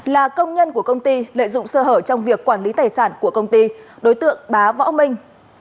là công nhân của công ty lợi dụng sơ hở trong việc quản lý tài sản của công ty đối tượng bá võ minh